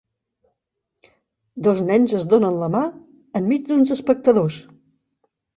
Dos nens es donen la mà enmig d'uns espectadors.